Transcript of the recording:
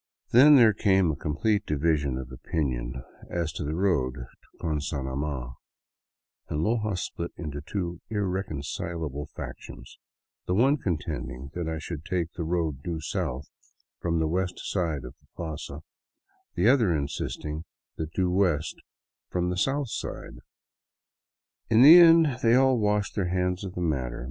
Then there 209 VAGABONDING DOWN THE ANDES came a cdmplete division of opinion as to the road to Gonzanama, and Loja split into two irreconcilable factions, the one contending that I should take the road due south from the west side of the plaza, the other insisting on that due west from the south side. In the end they all washed their hands of the matter.